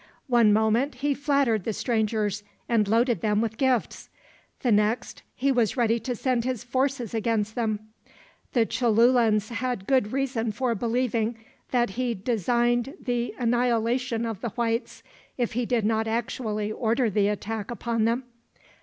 One moment he flattered the strangers and loaded them with gifts; the next he was ready to send his forces against them. The Cholulans had good reason for believing that he designed the annihilation of the Whites, if he did not actually order the attack upon them.